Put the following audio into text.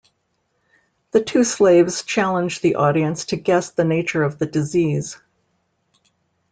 The two slaves challenge the audience to guess the nature of the disease.